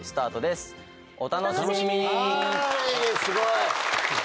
すごい。